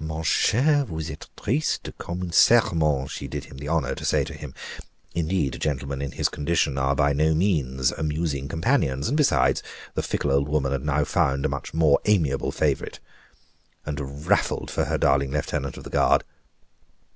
"Mon cher, vous etes triste comme un sermon," she did him the honor to say to him; indeed, gentlemen in his condition are by no means amusing companions, and besides, the fickle old woman had now found a much more amiable favorite, and raffoled for her darling lieutenant of the Guard.